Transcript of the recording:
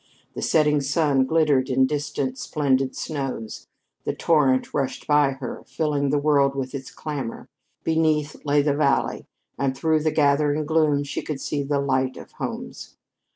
The setting sun glittered on distant, splendid snows; the torrent rushed by her, filling the world with its clamor; beneath lay the valley, and through the gathering gloom she could see the light of homes.